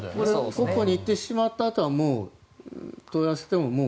国庫に行ってしまったあとはもう問い合わせても。